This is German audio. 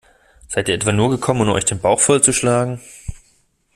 Seid ihr etwa nur gekommen, um euch den Bauch vollzuschlagen?